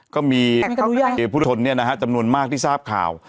ก็มีผู้ชนเนี่ยนะฮะจำนวนมากที่ทราบข่าว